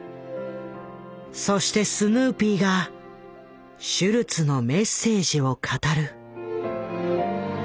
そしてスヌーピーがシュルツのメッセージを語る。